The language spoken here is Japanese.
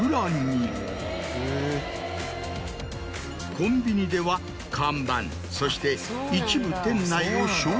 コンビニでは看板そして一部店内を。